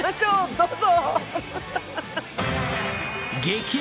どうぞ！